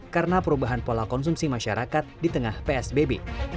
karena perubahan pola konsumsi masyarakat di tengah psbb